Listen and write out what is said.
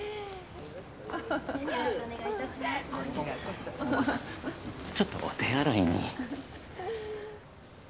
おばさんちょっとお手洗いに。